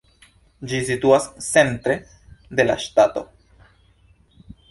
Ĝi situas centre de la ŝtato.